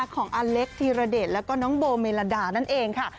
ของอเล็กธีรเดชแล้วก็น้องโบเมลดานั่นเองค่ะ